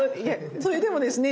それでもですね